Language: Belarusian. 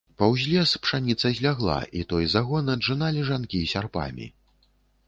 Паўз лес пшаніца злягла і той загон аджыналі жанкі сярпамі.